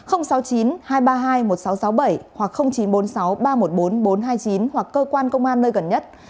sáu mươi chín hai trăm ba mươi hai một nghìn sáu trăm sáu mươi bảy hoặc chín trăm bốn mươi sáu ba trăm một mươi bốn bốn trăm hai mươi chín hoặc cơ quan công an nơi gần nhất